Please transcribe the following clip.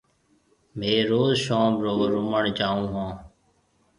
ميه روز شوم رو روُمڻ جاون هون۔